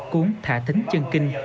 cuốn thả thính chân kinh